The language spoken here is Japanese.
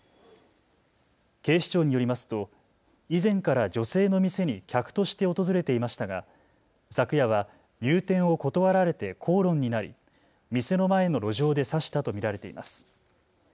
警視庁によりますと以前から女性の店に客として訪れていましたが昨夜は入店を断られて口論になり店の前の路上で刺したと見られています。